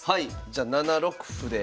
じゃあ７六歩で。